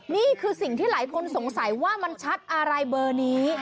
นี่คือสิ่งที่หลายคนสงสัยว่ามันชัดอะไรเบอร์นี้